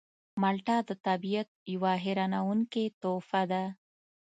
مالټه د طبیعت یوه حیرانوونکې تحفه ده.